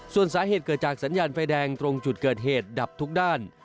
ส่วนสาเหตุเกิดจากสัญญาณไฟแดงตรงจุดเกิดเหตุดับทุกด้าน